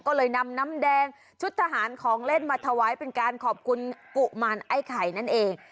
ก็เลยนำน้ำแดงชุดทหารของเล่นมาถวายเป็นการขอบคุณกุมารไอ้ไข่นั่นเอง